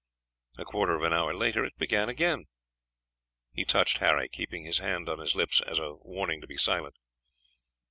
A quarter of an hour later it began again. He touched Harry, keeping his hand on his lips as a warning to be silent.